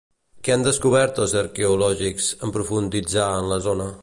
Què han descobert, els arqueològics, en profunditzar en la zona?